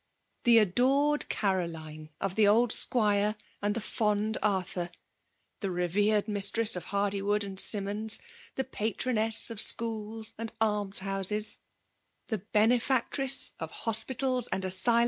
The adored Caroline of the old Squire and the fond Arthur — the revered mistress of Haxdywood and Simmons — the patroness of schools and almshouses — ^the benefactress of hospitals an^ vou lU.